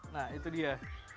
nah itu dia